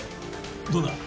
どうだ？